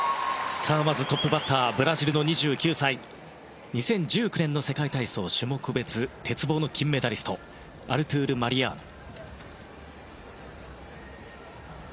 まず、トップバッターブラジルの２９歳２０１９年の世界体操種目別鉄棒の金メダリストアルトゥール・マリアーノ。